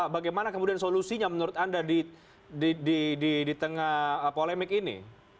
bagaimana kemudian solusinya menurut anda di tengah polemik ini